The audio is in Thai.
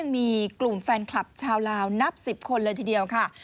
มีกลุ่มแฟนคลับชาวลาวนับ๑๐คนเลยทีเดียวค่ะ